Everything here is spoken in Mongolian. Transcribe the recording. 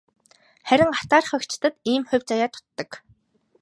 Харин атаархагчдад ийм хувь заяа дутдаг.